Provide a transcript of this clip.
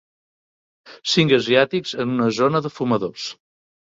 Cinc asiàtics en una zona de fumadors.